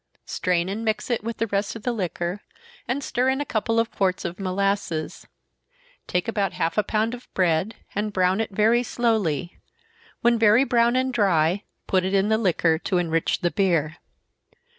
Strain and mix it with the rest of the liquor, and stir in a couple of quarts of molasses. Take about half a pound of bread, and brown it very slowly when very brown and dry, put it in the liquor, to enrich the beer.